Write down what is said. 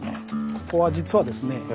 ここは実はですね